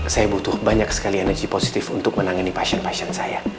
saya butuh banyak sekali energi positif untuk menangani pasien pasien saya